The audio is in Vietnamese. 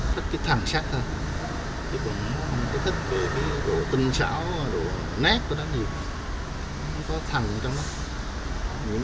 chắc hơn chứ cũng không có thích cái đồ tinh sáo đồ nét của nó nhiều nó có thằng trong đó những